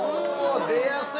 ◆出やすい。